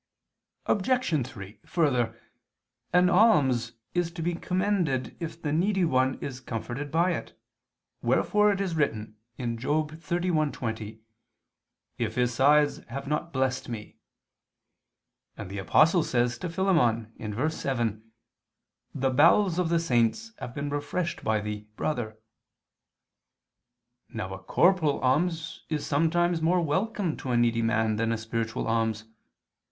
Obj. 3: Further, an alms is to be commended if the needy one is comforted by it: wherefore it is written (Job 31:20): "If his sides have not blessed me," and the Apostle says to Philemon (verse 7): "The bowels of the saints have been refreshed by thee, brother." Now a corporal alms is sometimes more welcome to a needy man than a spiritual alms.